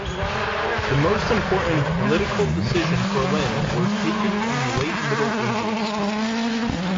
The most important political decision for Linz was taken in the late Middle Ages.